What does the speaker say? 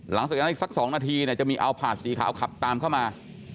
หลังจากนั้นอีกสักสองนาทีเนี้ยจะมีขาวขับตามเข้ามา